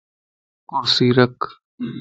ڪرسي رک